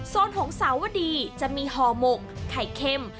โซนของสาวดีจะมีฮอร์หมกไข่เข้ม